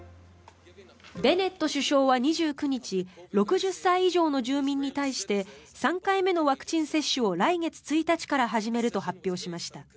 ベネット首相は２９日６０歳以上の住民に対して３回目のワクチン接種を来月１日から始めると発表しました。